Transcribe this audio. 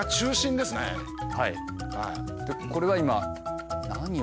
でこれは今何を。